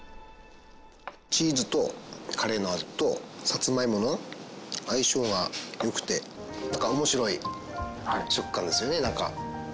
チーズとカレーの味とさつまいもの相性が良くて面白い食感ですよねなんか。